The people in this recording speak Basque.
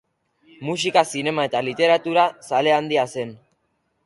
Musika, zinema eta literatura zale handia zen.